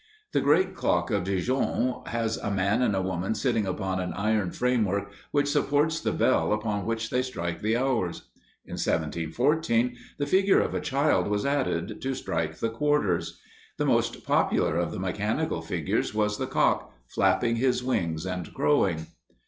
The great clock of Dijon has a man and a woman sitting upon an iron framework which supports the bell upon which they strike the hours. In 1714 the figure of a child was added, to strike the quarters. The most popular of the mechanical figures was the cock, flapping his wings and crowing.